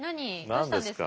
どうしたんですか？